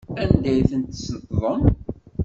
Anda ay ten-tesneṭḍem?